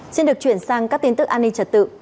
xin được chuyển sang các tin tức an ninh trật tự